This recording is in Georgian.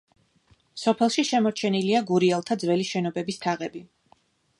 სოფელში შემორჩენილია გურიელთა ძველი შენობების თაღები.